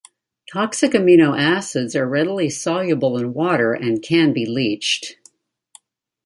Toxic amino acids are readily soluble in water and can be leached.